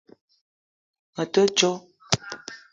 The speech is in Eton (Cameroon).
Me te djo